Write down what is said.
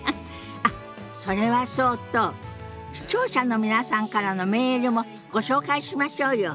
あっそれはそうと視聴者の皆さんからのメールもご紹介しましょうよ。